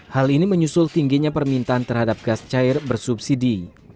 hal ini menyusul tingginya permintaan terhadap gas cair bersubsidi